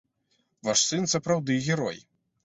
Ваш сын сапраўды герой.